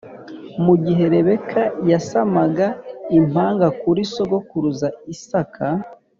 mu gihe Rebeka yasamaga impanga kuri sogokuruza Isaka